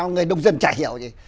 người nông dân chả hiểu gì